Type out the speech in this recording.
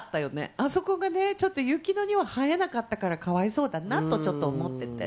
あそこがね、ちょっとユキノには、映えなかったからかわいそうだなと、ちょっと思ってて。